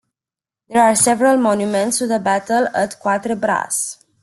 There are several monuments to the battle at Quatre Bras.